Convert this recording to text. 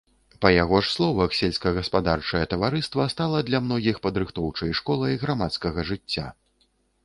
Па яго ж словах, сельскагаспадарчае таварыства стала для многіх падрыхтоўчай школай грамадскага жыцця.